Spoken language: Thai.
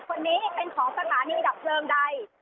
คนนี้เป็นของสถานีดับเพลิงใด